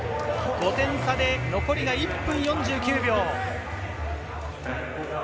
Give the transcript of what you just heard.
５点差で残りが１分４９秒。